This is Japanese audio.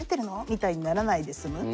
みたいにならないで済む。